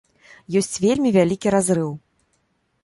Ёсць вельмі вялікі разрыў.